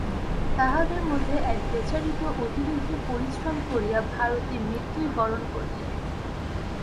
তাঁহাদের মধ্যে এক বেচারী তো অতিরিক্ত পরিশ্রম করিয়া ভারতে মৃত্যুই বরণ করিলেন।